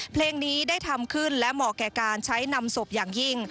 เพลงนี้ได้ทำขึ้นและเหมาะแก่การใช้นำศพอย่างยิ่ง